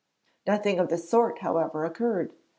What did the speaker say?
Nothing of the sort, however, occurred.